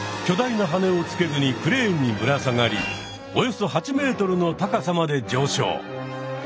いなはねをつけずにクレーンにぶら下がりおよそ８ｍの高さまでじょうしょう。